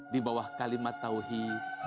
di bawah kalimat tauhid